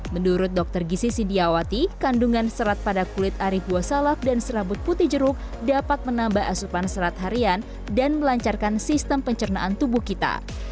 menurut dokter gisi sidiawati kandungan serat pada kulit arif buah salak dan serabut putih jeruk dapat menambah asupan serat harian dan melancarkan sistem pencernaan tubuh kita